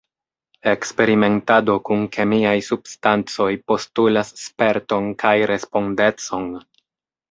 Eksperimentado kun kemiaj substancoj postulas sperton kaj respondecon.